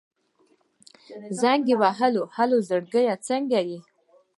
زنګ يې ووهه الو زړګيه څنګه يې.